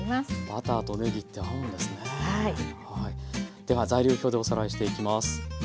では材料表でおさらいしていきます。